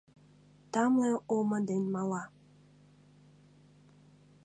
Тамле омо ден мала.